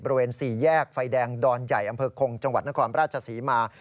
บริเวณ๔แยกไฟแดงดอนใหญ่อำเภอคงจังหวัดนครราชศรีมา